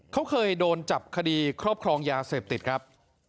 เขาเคยโดนจับคดีครอบครองยาเสพติดครับ